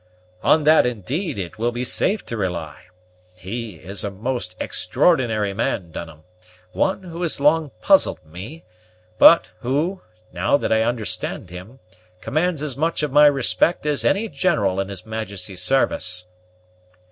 "On that, indeed, it will be safe to rely. He is a most extraordinary man, Dunham one who long puzzled me; but who, now that I understand him, commands as much of my respect as any general in his majesty's service."